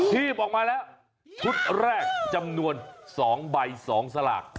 ทีบออกมาแล้วชุดแรกจำนวน๒ใบ๒สลาก